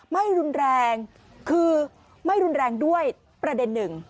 ไม่รุนแรงคือไม่รุนแรงด้วยประเด็นหนึ่ง